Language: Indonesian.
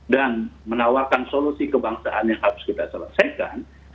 dan menawarkan solusi kebangsaan yang harus kita selesaikan